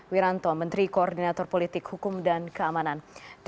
wiranto menteri koordinator politik hukum dan keamanan